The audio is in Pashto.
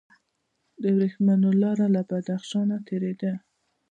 د ورېښمو لاره له بدخشان تیریده